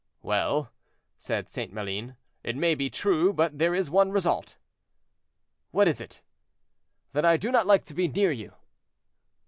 "Well," said St. Maline, "it may be true, but there is one result." "What is it?" "That I do not like to be near you."